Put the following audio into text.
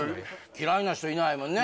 嫌いな人いないもんね？